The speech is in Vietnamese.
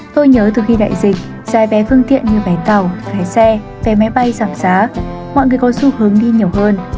tôi nhớ từ khi đại dịch giá vé phương tiện như vé tàu vé xe vé máy bay giảm giá mọi người có xu hướng đi nhiều hơn